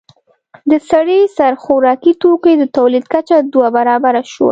د سړي سر خوراکي توکو د تولید کچه دوه برابره شوه